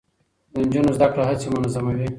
د نجونو زده کړه هڅې منظموي.